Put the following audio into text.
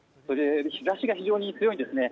日差しが非常に強いんですね。